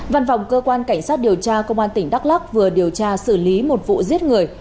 văn phòng cơ quan cảnh sát điều tra công an tỉnh đắk lắc vừa điều tra xử lý một vụ giết người